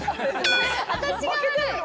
私が悪いの？